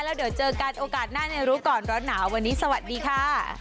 แล้วเดี๋ยวเจอกันโอกาสหน้าในรู้ก่อนร้อนหนาววันนี้สวัสดีค่ะ